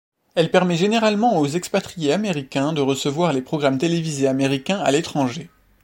Elle permet généralement aux expatriés américains de recevoir les programmes télévisés américains à l'étranger.